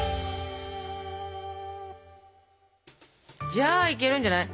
じゃあいけるんじゃない？